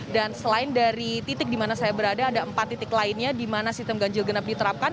dan selain dari titik di mana saya berada ada empat titik lainnya di mana sistem ganjil genap diterapkan